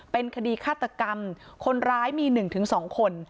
เป็นคดีคาตกรรมคนร้ายมีหนึ่งถึงสองคน